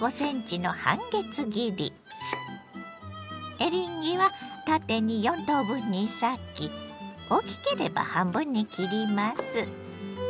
エリンギは縦に４等分に裂き大きければ半分に切ります。